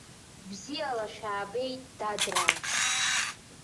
Бзиала шәаабеит, дадраа!